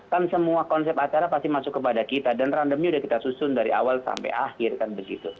kan semua konsep acara pasti masuk kepada kita dan randomnya sudah kita susun dari awal sampai akhir kan begitu